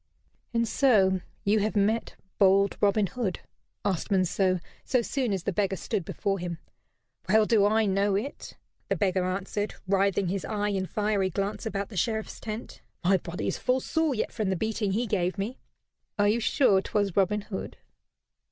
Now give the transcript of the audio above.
"And so you have met bold Robin Hood?" asked Monceux, so soon as the beggar stood before him. "Well do I know it," the beggar answered, writhing his eye in fiery glance about the Sheriff's tent. "My body is full sore yet from the beating he gave me." "Are you sure 'twas Robin Hood?"